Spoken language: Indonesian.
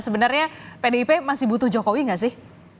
sebenarnya pdip masih butuh jokowi nggak sih